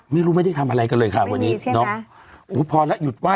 ไม่รู้ไม่ได้ทำอะไรกันเลยค่ะวันนี้ใช่มั้ยน้องอู๋พอละหยุดว่า